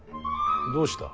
どうした。